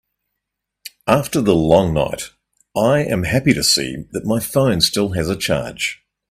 After the long night, I am happy to see that my phone still has a charge.